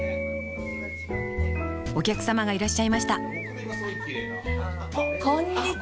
お客様がいらっしゃいましたこんにちは。